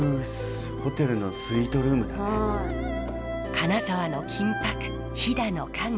金沢の金ぱく飛騨の家具